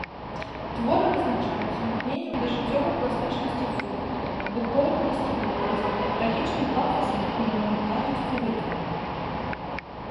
Творы вызначаюцца імкненнем да жыццёвай пластычнасці форм, адухоўленасці вобразаў, трагічным пафасам і манументальнасцю выяў.